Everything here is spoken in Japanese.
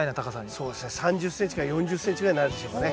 そうですね３０ｃｍから４０ｃｍぐらいになるでしょうかね。